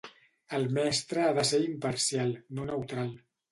El mestre ha de ser imparcial, no neutral